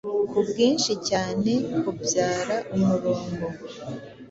kubwinshi cyane kubyara umurongo